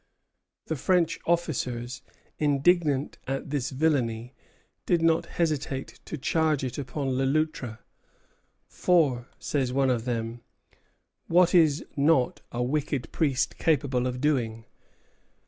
The French officers, indignant at this villany, did not hesitate to charge it upon Le Loutre; "for," says one of them, "what is not a wicked priest capable of doing?"